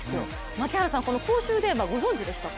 槙原さん、公衆電話ご存じでしたか？